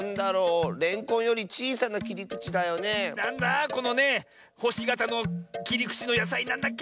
なんだこのねほしがたのきりくちのやさいなんだっけ？